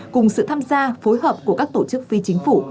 cùng sự tham gia phối hợp của các tổ chức phi chính phủ